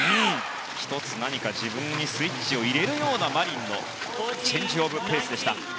１つ、何か自分にスイッチを入れるようなマリンのチェンジオブペース。